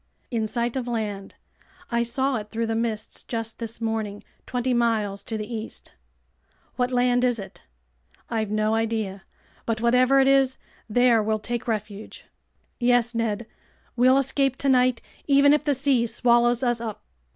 "In sight of land. I saw it through the mists just this morning, twenty miles to the east." "What land is it?" "I've no idea, but whatever it is, there we'll take refuge." "Yes, Ned! We'll escape tonight even if the sea swallows us up!"